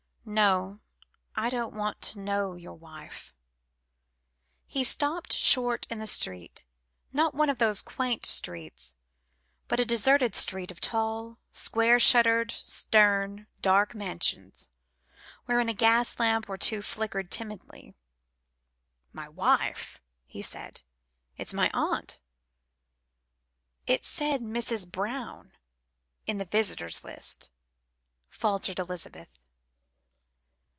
"No; I don't want to know your wife." He stopped short in the street not one of the "quaint" streets, but a deserted street of tall, square shuttered, stern, dark mansions, wherein a gas lamp or two flickered timidly. "My wife?" he said; "it's my aunt." "It said 'Mrs. Brown' in the visitors' list," faltered Elizabeth.